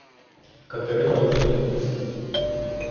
Катерина лежить у кріслі.